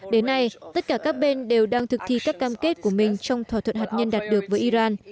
đến nay tất cả các bên đều đang thực thi các cam kết của mình trong thỏa thuận hạt nhân đạt được với iran